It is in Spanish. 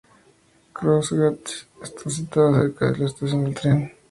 Cross Gates está situada cerca de la estación de tren.